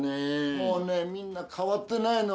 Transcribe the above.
もうねみんな変わってないの。